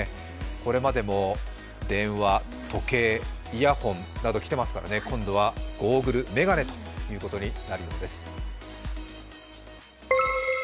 これまでも電話、時計、イヤホンなど来ていますからね、今度はゴーグル、眼鏡ということになるようです。